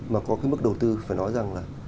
mà có cái mức đầu tư phải nói rằng là